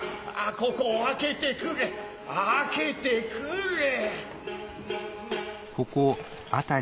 ここを明けてくれ明けてくれ。